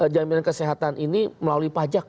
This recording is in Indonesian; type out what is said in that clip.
jaminan kesehatan ini melalui pajak